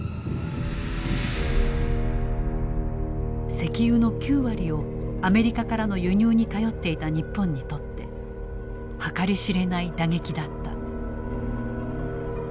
石油の９割をアメリカからの輸入に頼っていた日本にとって計り知れない打撃だった。